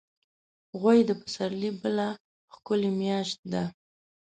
غویی د پسرلي بله ښکلي میاشت ده.